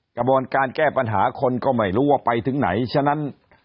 กระบวนการแก้ปัญหาคนก็ไม่รู้ว่าไปถึงไหนฉะนั้น